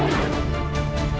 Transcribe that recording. kakak puni purposely berdiri